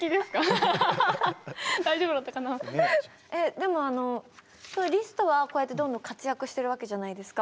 でもリストはこうやってどんどん活躍してるわけじゃないですか。